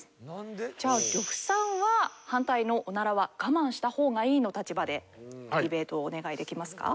じゃあ呂布さんは反対のオナラは我慢した方がいいの立場でディベートをお願いできますか？